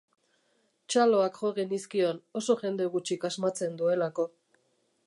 Txaloak jo genizkion, oso jende gutxik asmatzen duelako.